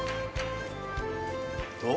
どう？